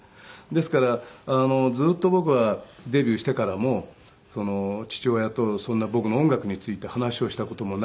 ですからずっと僕はデビューしてからも父親とそんな僕の音楽について話をした事もないし